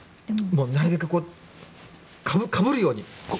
なるべくかぶるように。